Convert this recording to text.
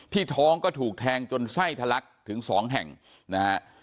ท้องก็ถูกแทงจนไส้ทะลักถึงสองแห่งนะฮะ